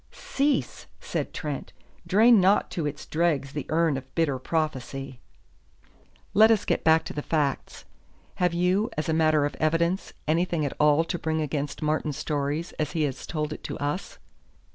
"Cease!" said Trent. "Drain not to its dregs the urn of bitter prophecy. Let us get back to facts. Have you, as a matter of evidence, anything at all to bring against Martin's story as he has told it to us?"